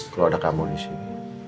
kalau ada kamu disini